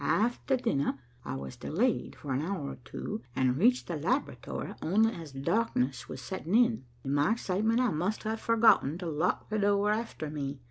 After dinner, I was delayed for an hour or two, and reached the laboratory only as darkness was setting in. In my excitement, I must have forgotten to lock the door after me.